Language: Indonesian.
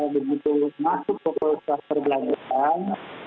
begitu masuk ke pusat perbelanjaan